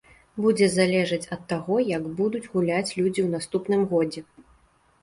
Будзе залежыць ад таго, як будуць гуляць людзі ў наступным годзе.